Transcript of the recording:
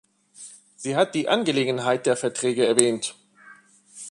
Sie hat die Angelegenheit der Verträge erwähnt.